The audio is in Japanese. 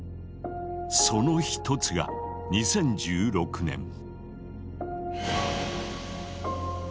その一つが２０１６年。